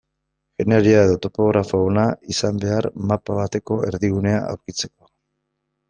Ingeniaria edo topografo ona izan behar mapa bateko erdigunea aurkitzeko.